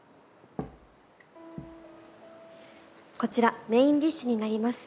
こちらメインディッシュになります。